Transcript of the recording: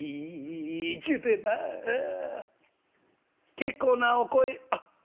「結構なお声あっ。